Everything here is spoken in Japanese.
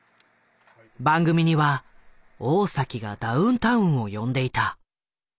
番組には大がダウンタウンを呼んでいた。